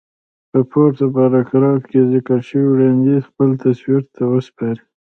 په پورته پاراګراف کې ذکر شوی وړانديز خپل تصور ته وسپارئ.